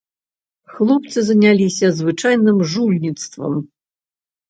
Хлопцы заняліся звычайным жульніцтвам.